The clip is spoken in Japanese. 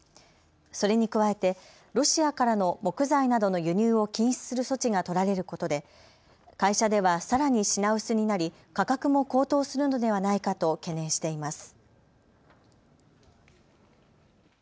それに加えてロシアからの木材などの輸入を禁止する措置が取られることで会社ではさらに品薄になり価格も高騰するのではないかと懸念しています。